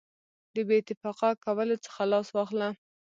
د بې اتفاقه کولو څخه لاس واخله.